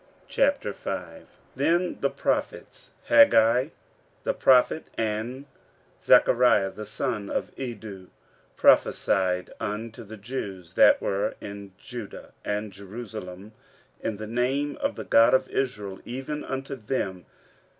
15:005:001 Then the prophets, Haggai the prophet, and Zechariah the son of Iddo, prophesied unto the Jews that were in Judah and Jerusalem in the name of the God of Israel, even unto them.